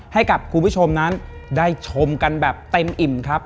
ให้กับคุณผู้ชมนั้นได้ชมกันแบบเต็มอิ่มครับ